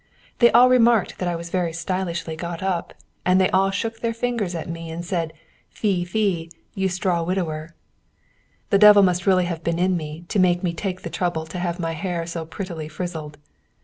They all remarked that I was very stylishly got up, and they all shook their fingers at me, and said: "Fie, fie! you straw widower!" The devil must really have been in me to make me take the trouble to have my hair so prettily frizzled.